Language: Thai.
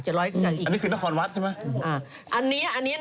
อันนี้คือนครวัดใช่ไหม